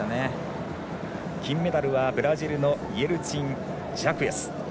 金メダルはブラジルのイエルツィン・ジャクエス。